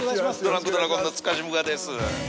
ドランクドラゴンの塚地武雅です。